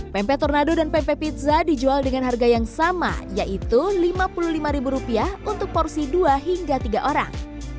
pempek tornado dan pempek pizza dijual dengan harga yang sama yaitu rp lima puluh lima untuk porsi dua hingga tiga orang